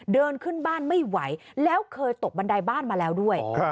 เดินขึ้นบ้านไม่ไหวแล้วเคยตกบันไดบ้านมาแล้วด้วย